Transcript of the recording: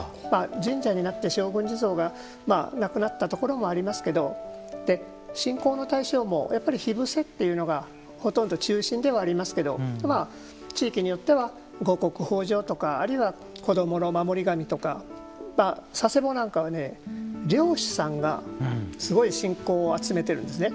神社になって勝軍地蔵がなくなったところもありますけど信仰の対象もやっぱり火伏せというのがほとんど中心ではありますけれども地域によっては五穀豊じょうとかあるいは子どもの守り神とか佐世保なんかは漁師さんがすごい信仰を集めてるんですね。